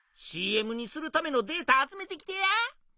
ＣＭにするためのデータ集めてきてや。